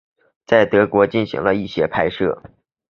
也在德国进行了一些拍摄。